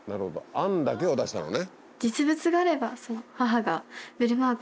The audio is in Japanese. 案だけを出したのね。